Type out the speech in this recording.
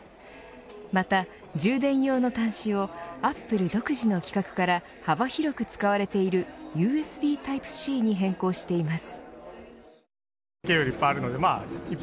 また、充電用の端子をアップル独自の規格から幅広く使われているＵＳＢタイプＣに変更しています。